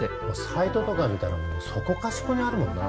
サイトとか見たらもうそこかしこにあるもんな。